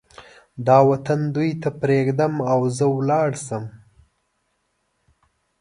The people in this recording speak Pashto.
دا وطن دوی ته پرېږدم او زه ولاړ شم.